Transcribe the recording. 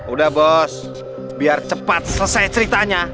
udah bos biar cepat selesai ceritanya